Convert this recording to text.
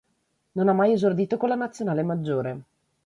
Non ha mai esordito con la Nazionale maggiore.